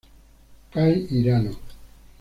Kai Hirano